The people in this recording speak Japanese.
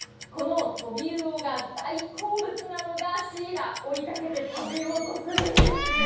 このトビウオが大好物なのがシイラ、追いかけて食べようとするんです。